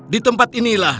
di tempat inilah